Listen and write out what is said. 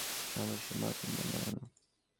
অবশ্যই মার্টিন না, না।